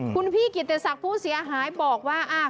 คุณพี่กิติศักดิ์ผู้เสียหายบอกว่า